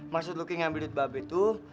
maksud lucky ngambil duit mbak be tuh